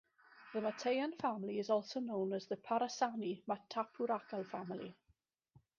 The Matayan family is also known as the Parassani Matappurakal family.